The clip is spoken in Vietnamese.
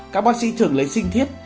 các bác sĩ thường lấy sinh thiết